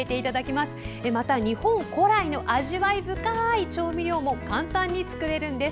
また、日本古来の味わい深い調味料も簡単に作れるんです。